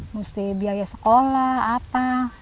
mesti biaya sekolah apa